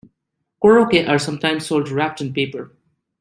"Korokke" are sometimes sold wrapped in paper.